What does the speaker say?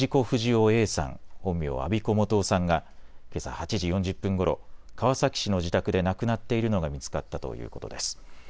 不二雄Ａさん、本名、安孫子素雄さんがけさ８時４０分ごろ、川崎市の自宅で亡くなっているのが見つかったということです。